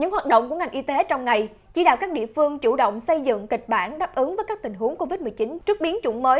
hoạt động của ngành y tế trong ngày chỉ đạo các địa phương chủ động xây dựng kịch bản đáp ứng với các tình huống covid một mươi chín trước biến chủng mới